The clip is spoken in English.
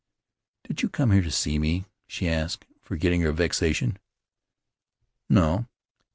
"Did you come here to see me?" she asked, forgetting her vexation. "No."